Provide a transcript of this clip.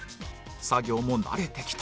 作業も慣れてきた